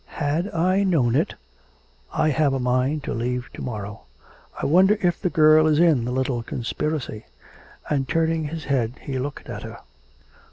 Had I known it.... I have a mind to leave to morrow. I wonder if the girl is in the little conspiracy.' And turning his head he looked at her.